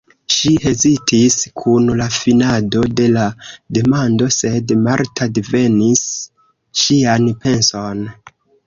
Ŝi hezitis kun la finado de la demando, sed Marta divenis ŝian penson.